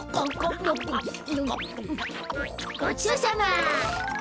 ごちそうさま！